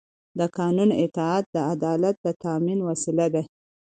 د قانون اطاعت د عدالت د تامین وسیله ده